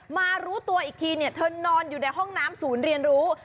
มารู้ตัวอีกทีเธอนอนอยู่ในห้องน้ำศูนย์เรียนรู้